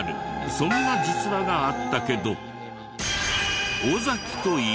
そんな「実は」があったけど。